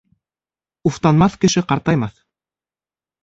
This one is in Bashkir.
Уфтанмаҫ кеше ҡартаймаҫ.